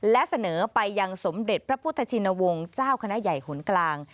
และเสนอไปยังสมเด็จพระพุทธชินวงศ์เจ้าคณะใหญ่หนกลาง